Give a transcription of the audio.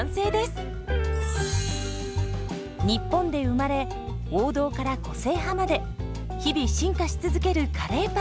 日本で生まれ王道から個性派まで日々進化し続けるカレーパン。